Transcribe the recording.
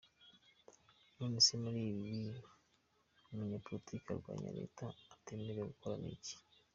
none se muli ibi icyo umunyapolitike urwanya leta atemerewe gukora ni iki?